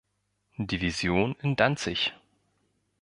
Division in Danzig.